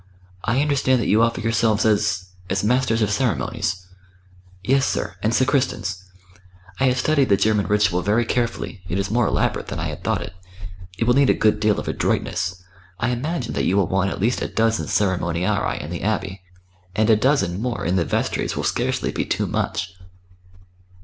I understand that you offer yourselves as as Masters of Ceremonies ?" "Yes, sir; and sacristans. I have studied the German ritual very carefully; it is more elaborate than I had thought it. It will need a good deal of adroitness. I imagine that you will want at least a dozen Ceremoniarii in the Abbey; and a dozen more in the vestries will scarcely be too much."